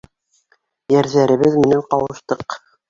Йәрҙәребеҙ менән ҡауыштыҡ.